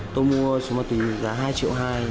tôi mua số mặt tùy giá hai triệu hai